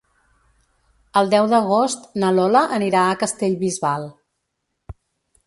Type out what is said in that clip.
El deu d'agost na Lola anirà a Castellbisbal.